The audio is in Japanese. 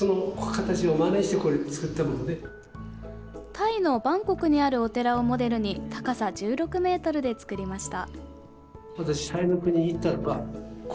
タイのバンコクにあるお寺をモデルに高さ１６ｍで造りました。